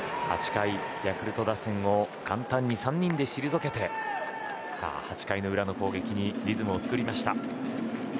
８回、ヤクルト打線を簡単に３人で退けて８回の裏の攻撃にリズムを作りました。